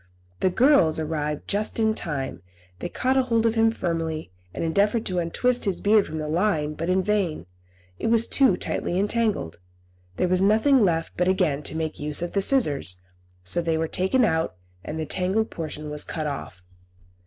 The girls arrived just in time. They caught hold of him firmly, and endeavoured to untwist his beard from the line, but in vain; it was too tightly entangled. There was nothing left but again to make use of the scissors; so they were taken out, and the tangled portion was cut off.